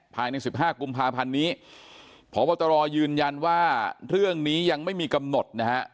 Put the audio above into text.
ภายใน๑๕กุมภาพันธ์นี้พบตรยืนยันว่าเรื่องนี้ยังไม่มีกำหนดนะฮะ